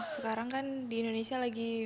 sekarang kan di indonesia lagi